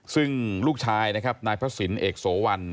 ซึ่งลูกชายนะครับนายพระศิลป์เอกโสวัน